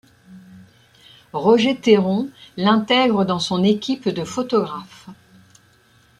Roger Thérond l'intègre dans son équipe de photographes.